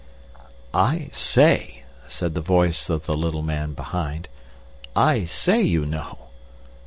"I say," said the voice of the little man behind. "I say, you know."